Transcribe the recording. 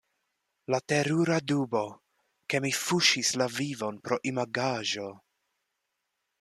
La terura dubo — ke mi fuŝis la vivon pro imagaĵo.